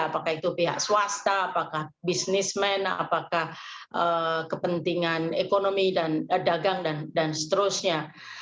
apakah itu pihak swasta apakah bisnismen apakah kepentingan ekonomi dan dagang dan seterusnya